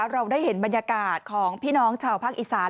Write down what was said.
เราได้เห็นบรรยากาศของพี่น้องชาวภาคอีสาน